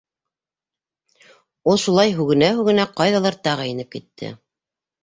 Ул шулай һүгенә-һүгенә ҡайҙалыр тағы инеп китте.